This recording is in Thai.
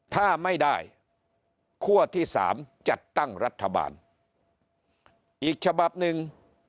ถ้าไม่ได้คั่วที่สามจัดตั้งรัฐบาลอีกฉบับหนึ่ง